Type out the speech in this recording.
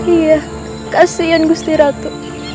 iya kasihan gusti ratu